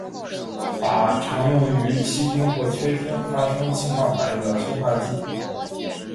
钯常用于烯烃或炔烃发生氢化反应的催化剂。